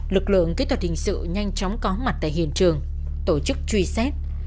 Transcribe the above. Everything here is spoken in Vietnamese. lực lượng kỹ thuật hình sự nhanh chóng có mặt tại hiện trường tổ chức truy xét